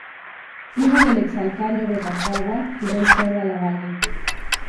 Primo del ex alcalde de Rancagua, Fidel Cerda Lavalle.